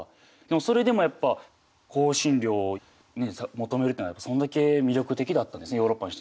それでもやっぱ香辛料を求めるっていうのはそんだけ魅力的だったんですねヨーロッパの人にとっては。